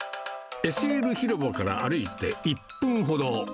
ＳＬ広場から歩いて１分ほど。